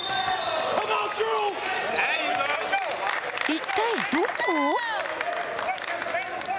一体どこ？